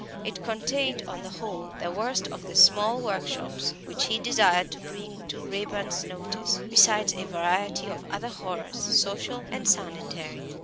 It contained on the whole the worst of the small workshops which he desired to bring to Raeburn's notice, besides a variety of other horrors, social and sanitary.